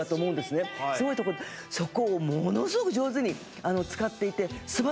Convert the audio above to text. そこをものすごく上手に使っていて素晴らしかった。